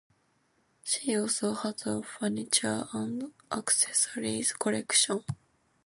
She also has a furniture and accessories collection.